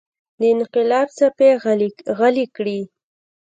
د انقلاب څپې غلې کړي.